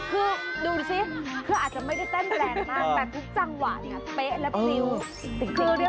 คือเรียกว่าตั้งแต่เนี๊บ